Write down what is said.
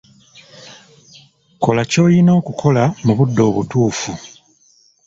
Kola ky'olina okukola mu budde obutuufu.